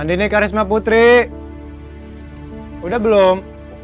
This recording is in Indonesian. andini karisma putri udah belum